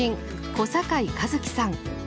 小堺一機さん。